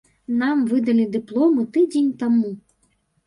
Нам выдалі дыпломы тыдзень таму.